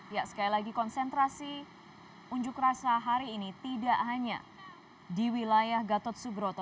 ya sekali lagi konsentrasi unjuk rasa hari ini tidak hanya di wilayah gatot subroto